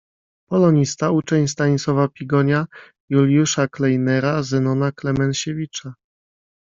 Polonista, uczeń Stanisława Pigonia, Juliusza Kleinera, Zenona Klemensiewicza.